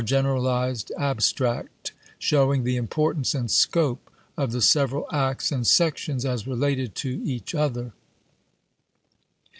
generalized abstract, showing the importance and scope of the several acts and sections as related to each other.